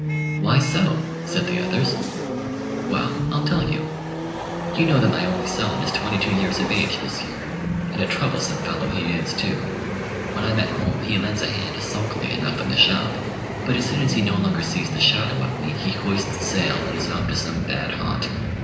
"Why so?" said the others. "Well, I'll tell you. You know that my only son is twenty two years of age this year, and a troublesome fellow be is, too. When I'm at home, he lends a hand sulkily enough in the shop: but as soon as he no longer sees the shadow of me, he hoists sail and is off to some bad haunt.